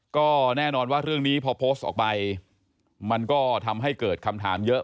ก็แน่นอนว่าเรื่องนี้พอโพสต์ออกไปมันก็ทำให้เกิดคำถามเยอะ